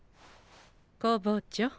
工房長。